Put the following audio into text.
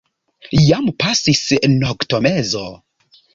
Jam pasis noktomezo.